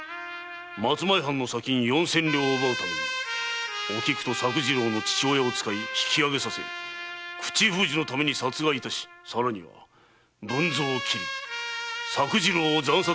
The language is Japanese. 松前藩の砂金四千両を奪うためおきくと作次郎の父親に引き揚げさせ口封じのために殺害致しさらに文蔵を斬り作次郎を惨殺致すとは言語道断！